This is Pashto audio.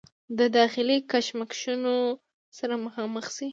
د داخلي کشمکشونو سره مخامخ شي